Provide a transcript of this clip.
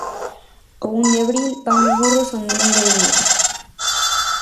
O un de abril van os burros onde non deben de ir.